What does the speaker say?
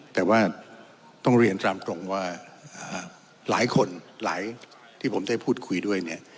แต่ว่าต้องเรียนตามตรงว่าหลายคนหลายที่ผมได้พูดคุยด้วยเนี่ย